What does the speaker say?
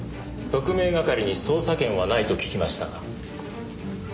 特命係に捜査権はないと聞きましたが。